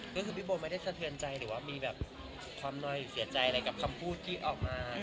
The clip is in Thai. ก็คือพี่โบไม่ได้สะเทือนใจหรือว่ามีแบบความนอยเสียใจอะไรกับคำพูดที่ออกมา